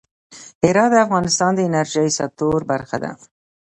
هرات د افغانستان د انرژۍ سکتور برخه ده.